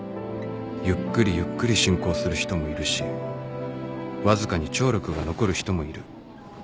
ゆっくりゆっくり進行する人もいるしわずかに聴力が残る人もいる